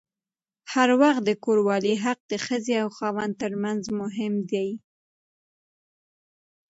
هر وخت د کوروالې حق د ښځې او خاوند ترمنځ مهم دی.